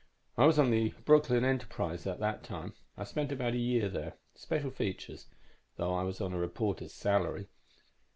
I was on the Brooklyn Enterprise at that time; I spent about a year there. Special features, though I was on a reporter's salary.